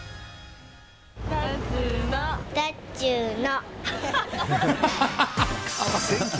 だっちゅーの。